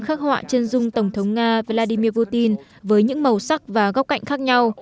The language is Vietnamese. khắc họa chân dung tổng thống nga vladimir putin với những màu sắc và góc cạnh khác nhau